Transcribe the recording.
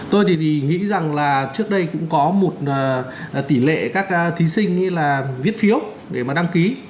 tôi thì nghĩ rằng là trước đây cũng có một tỷ lệ các thí sinh là viết phiếu để mà đăng ký